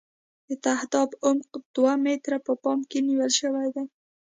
د تهداب عمق دوه متره په پام کې نیول شوی دی